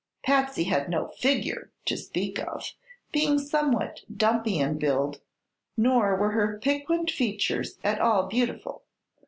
Patsy had no "figure" to speak of, being somewhat dumpy in build, nor were her piquant features at all beautiful.